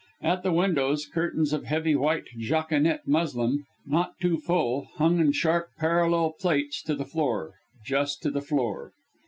At the windows, curtains of heavy white jaconet muslin, not too full, hung in sharp parallel plaits to the floor just to the floor.